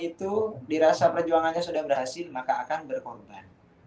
itu dirasa perjuangannya sudah berhasil maka akan berkorban